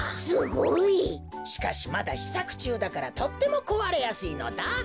すごい！しかしまだしさくちゅうだからとってもこわれやすいのだ。